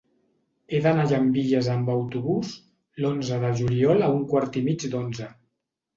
He d'anar a Llambilles amb autobús l'onze de juliol a un quart i mig d'onze.